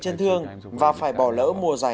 chân thương và phải bỏ lỡ mùa giải